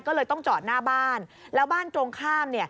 ก็เลยต้องจอดหน้าบ้าน